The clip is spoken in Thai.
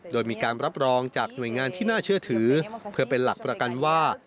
โดยมีการรับรองจากหน่วยงานที่น่าเชื่อถือเพื่อเป็นหลักประกันว่า